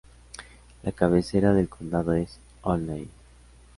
La cabecera del condado es Olney.